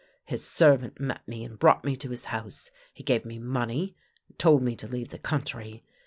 His servant met me and brought me to his house. He gave me money and told me to leave the country.